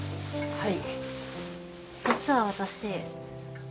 はい。